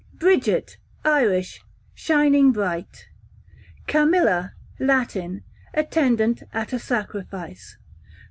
Bridget, Irish, shining bright. Camilla, Latin, attendant at a sacrifice.